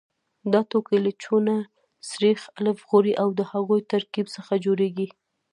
دا توکي له چونه، سريښ، الف غوړي او د هغوی ترکیب څخه جوړیږي.